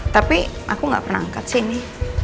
tapi aku gak pernah angkat sih ini